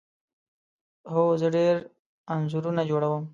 هو، زه ډیر انځورونه جوړوم